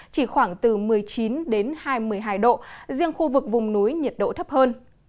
chỉ khoảng từ một mươi chín đến hai mươi hai độ riêng khu vực vùng núi nhiệt độ thấp hơn